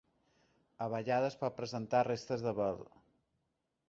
A vegades pot presentar restes de vel.